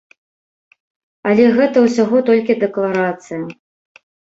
Але гэта ўсяго толькі дэкларацыя.